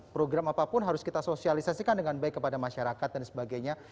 program apapun harus kita sosialisasikan dengan baik kepada masyarakat dan sebagainya